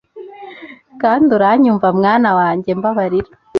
Kandi uranyumva, mwana wanjye mbabarira